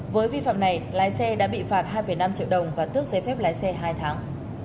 với vi phạm này lái xe đã bị phạt hai năm triệu đồng và tước giấy phép lái xe hai tháng